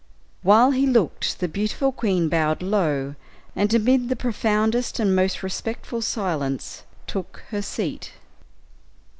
While he looked, the beautiful queen bowed low, and amid the profoundest and most respectful silence, took her seat.